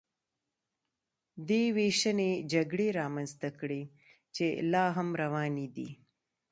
دې وېشنې جګړې رامنځته کړې چې لا هم روانې دي